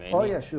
oh ya pasti